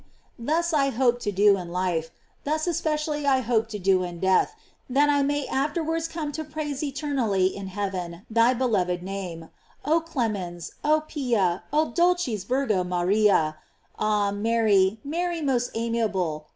Thus I hope to do in life, thus especially I hope to do in death, that I may afterwards come to praise eternally in heaven thy beloved name: O clemens! O pia! O dulcis Virgo Maria! Ah Mary! Mary most ami able!